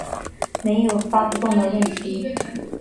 没有发不动的问题